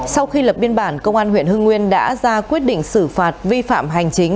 sau khi lập biên bản công an huyện hưng nguyên đã ra quyết định xử phạt vi phạm hành chính